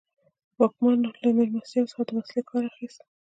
واکمنو له مېلمستیاوو څخه د وسیلې کار اخیست.